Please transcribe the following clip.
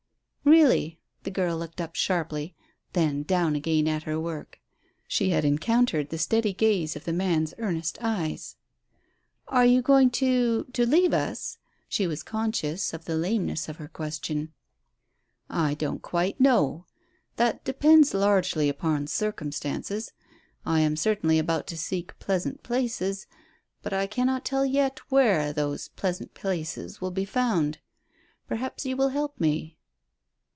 "Really." The girl looked up sharply, then down again at her work. She had encountered the steady gaze of the man's earnest eyes. "Are you going to to leave us?" She was conscious of the lameness of her question. "I don't quite know. That depends largely upon circumstances. I am certainly about to seek pleasant places, but I cannot tell yet where those pleasant places will be found. Perhaps you will help me."